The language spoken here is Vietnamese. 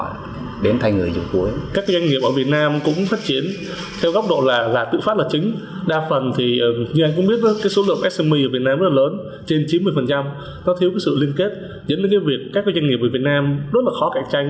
uala nước này đang cũng biết số lượng smi ở việt nam lớn chuyên viên hơn chín mươi